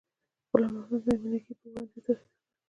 غلام محمد میمنګي یې په وړاندیز تأسیس کړ.